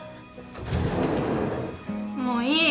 もういい？